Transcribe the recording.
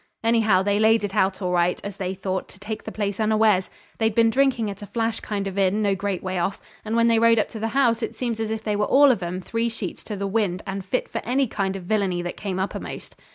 Anyhow, they laid it out all right, as they thought, to take the place unawares. They'd been drinking at a flash kind of inn no great way off, and when they rode up to the house it seems they were all of 'em three sheets in the wind, and fit for any kind of villainy that came uppermost.